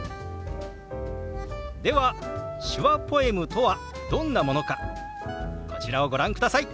では手話ポエムとはどんなものかこちらをご覧ください。